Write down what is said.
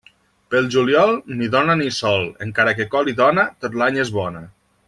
Pel juliol, ni dona ni sol, encara que col i dona, tot l'any és bona.